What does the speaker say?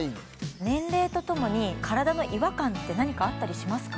年齢とともに体の違和感って何かあったりしますか？